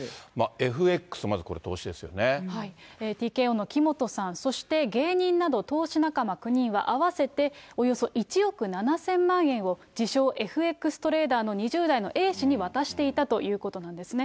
ＦＸ、ＴＫＯの木本さん、そして芸人など投資仲間９人は、合わせておよそ１億７０００万円を、自称、ＦＸトレーダーの２０代のＡ氏に渡していたということなんですね。